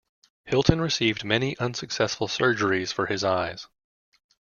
Hilton received many unsuccessful surgeries for his eyes.